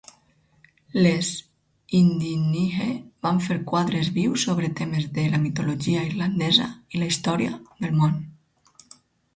Les Inghinidhe van fer quadres vius sobre temes de la mitologia irlandesa i la història del món.